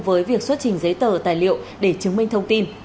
với việc xuất trình giấy tờ tài liệu để chứng minh thông tin